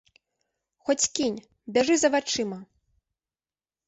Хоць кінь, бяжы за вачыма!